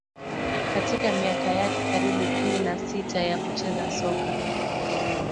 katika miaka yake karibu kumi na Sita ya kucheza soka